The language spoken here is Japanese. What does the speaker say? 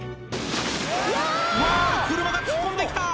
うわ車が突っ込んで来た！